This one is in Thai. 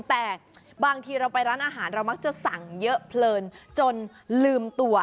แต่บางทีเราไปร้านอาหารเรามักจะสั่งเยอะเพลินจนลืมตัว